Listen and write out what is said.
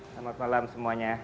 selamat malam semuanya